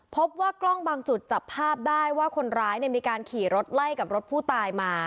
พบว่ากล้องบางจุดจับภาพได้ว่าคนร้ายมีการขี่รถไล่กับรถผู้ตายมา